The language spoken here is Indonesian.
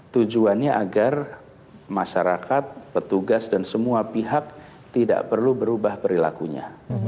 tujuannya agar masyarakat petugas dan semua pihak tidak perlu berubah perilakunya